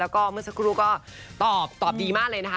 คุณครูก็ตอบตอบดีมากเลยนะคะ